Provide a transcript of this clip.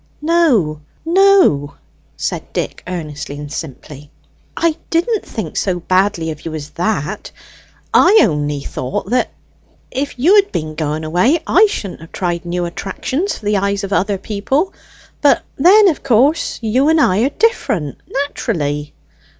"No, no," said Dick earnestly and simply, "I didn't think so badly of you as that. I only thought that if you had been going away, I shouldn't have tried new attractions for the eyes of other people. But then of course you and I are different, naturally."